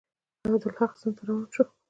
عبدالحق سند ته روان شو.